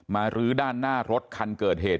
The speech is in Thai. รื้อด้านหน้ารถคันเกิดเหตุ